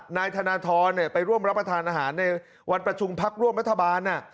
นายธนทรไปร่วมรับประทานอาหารในวันประชุมพักร่วมรัฐบาล